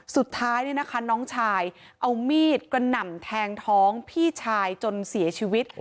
สุดท้ายน้องชายเอามีดกระหน่ำแทงท้องพี่ชายจนเสียชีวิต